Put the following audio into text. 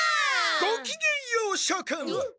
・ごきげんようしょくん！